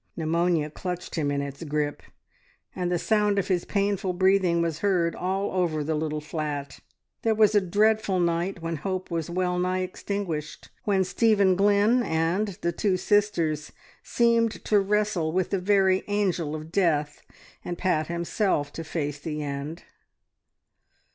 Pneumonia clutched him in its grip, and the sound of his painful breathing was heard all over the little flat. There was a dreadful night when hope was well nigh extinguished, when Stephen Glynn and the two sisters seemed to wrestle with the very angel of death, and Pat himself to face the end.